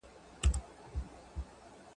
په عمر کشر، په عقل مشر ,